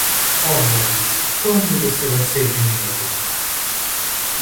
Oh, nariz, quando você vai ser vinhedo!